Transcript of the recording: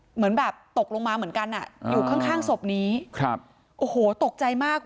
เหมือนแบบตกลงมาเหมือนกันอ่ะอยู่ข้างข้างศพนี้ครับโอ้โหตกใจมาก